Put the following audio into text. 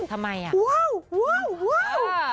ทำไมอ่ะว้าวว้าวว้าว